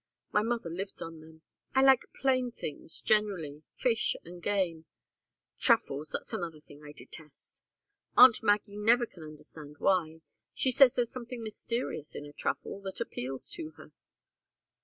My mother lives on them. I like plain things, generally fish and game. Truffles that's another thing I detest. Aunt Maggie never can understand why. She says there's something mysterious in a truffle, that appeals to her."